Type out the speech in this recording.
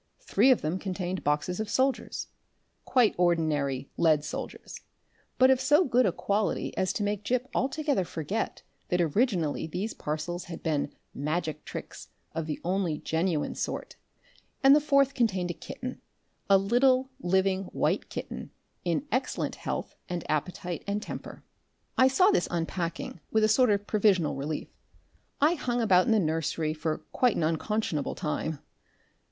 Three of them contained boxes of soldiers, quite ordinary lead soldiers, but of so good a quality as to make Gip altogether forget that originally these parcels had been Magic Tricks of the only genuine sort, and the fourth contained a kitten, a little living white kitten, in excellent health and appetite and temper. I saw this unpacking with a sort of provisional relief. I hung about in the nursery for quite an unconscionable time....